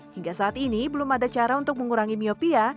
hingga saat ini belum ada cara untuk mengurangi miopia